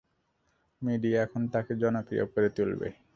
Media এখন তাকে জনপ্রিয় করে তুলবে।